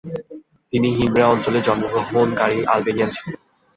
তিনি হিমরে অঞ্চলে জন্মগ্রহণকারী আলবেনিয়ান ছিলেন।